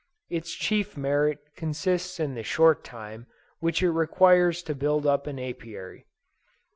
Its chief merit consists in the short time which it requires to build up an Apiary.